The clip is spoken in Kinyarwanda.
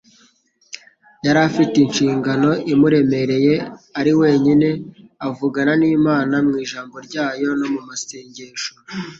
Yari afite inshingano imuremereye. Ari wenyine, avugana n'Imana mu Ijambo ryayo no mu masengesho